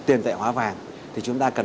tiền tệ hóa vàng thì chúng ta cần